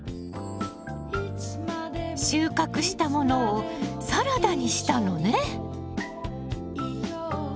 収穫したものをサラダにしたのね！